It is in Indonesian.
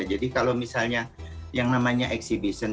jadi kalau misalnya yang namanya exhibition